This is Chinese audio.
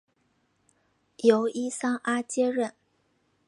由伊桑阿接任。